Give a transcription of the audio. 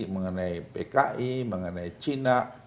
mengenai pki mengenai cina